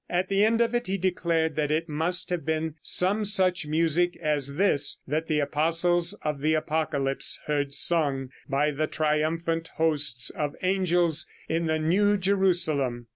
At the end of it he declared that it must have been some such music as this that the apostles of the Apocalypse heard sung by the triumphant hosts of angels in the New Jerusalem.